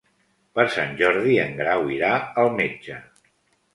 Per Sant Jordi en Grau irà al metge.